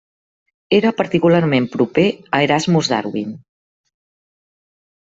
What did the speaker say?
Era particularment proper a Erasmus Darwin.